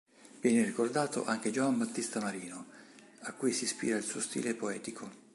Viene ricordato anche Giovan Battista Marino, a cui si ispira il suo stile poetico.